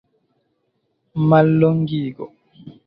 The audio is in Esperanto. mallongigo